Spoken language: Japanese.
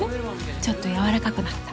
ちょっと柔らかくなった。